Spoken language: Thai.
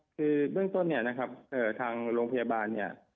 คือเรื่องต้นเราทางโรงพยาบาล